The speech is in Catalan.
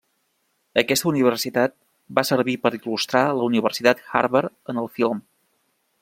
Aquesta universitat va servir per il·lustrar la Universitat Harvard en el film.